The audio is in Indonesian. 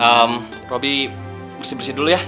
ehm robi bersih bersih dulu ya